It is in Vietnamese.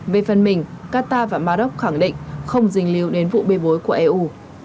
về phần mình qatar và bà rốc khẳng định không dình lưu đến vụ bê bối của eu